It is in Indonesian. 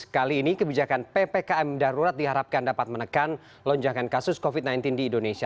kali ini kebijakan ppkm darurat diharapkan dapat menekan lonjakan kasus covid sembilan belas di indonesia